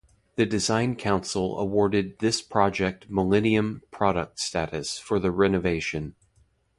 The Design Council awarded this project 'Millennium Product' status for the renovation.